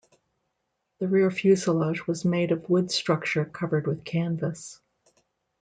The rear fuselage was made of wood structure covered with canvas.